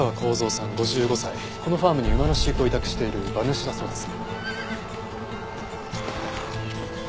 このファームに馬の飼育を委託している馬主だそうです。